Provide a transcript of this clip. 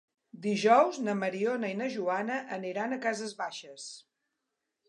Dijous na Mariona i na Joana aniran a Cases Baixes.